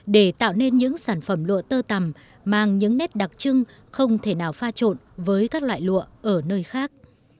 để tạo nên những sản phẩm lụa tơ tằm mang những nét đặc trưng không thể nào pha trộn với các loại lụa ở nơi khác